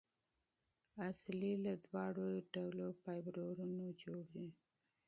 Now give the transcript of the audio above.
عضلې له دواړو ډولو فایبرونو جوړې دي.